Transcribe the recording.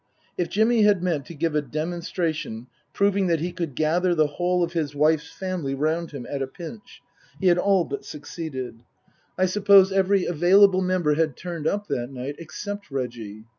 If Jimmy had meant to give a demonstration proving that he could gather the whole of his wife's family round him at a pinch, he had all but succeeded. I suppose 188 Tasker Jevons every available member had turned up that night, except Reggie.